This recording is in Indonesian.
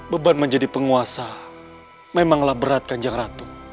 beban menjadi penguasa memanglah berat kanjeng ratu